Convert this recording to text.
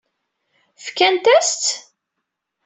Fkant-as-tt?